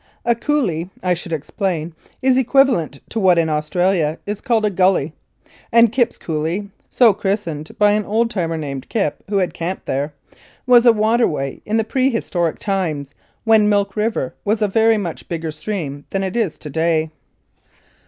A "coulee," I should explain, is equivalent to what in Australia is called a " gully," and Kipp's Coulee (so christened by an old timer named Kipp who had camped there) was a waterway in the prehistoric times, when Milk River was a very much bigger stream than it is to day.